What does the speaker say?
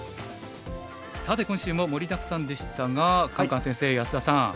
さて今週も盛りだくさんでしたがカンカン先生安田さん